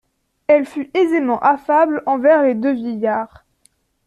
Elle fut aisément affable envers les deux vieillards.